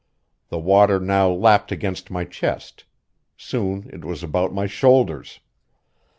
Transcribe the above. The water now lapped against my chest; soon it was about my shoulders.